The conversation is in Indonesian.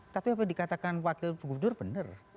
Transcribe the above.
tapi apa yang dikatakan wakil gubernur benar